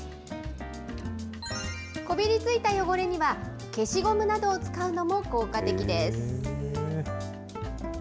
こびりついた汚れには、消しゴムなどを使うのも効果的です。